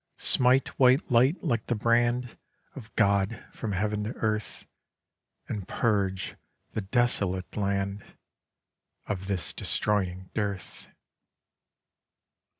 Smite white light like the brand Of God from heav'n to earth; And purge the desolate land Of this destroying dearth!